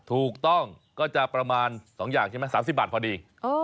ถูกต้องก็จะประมาณ๒อย่างใช่ไหม๓๐บาทพอดี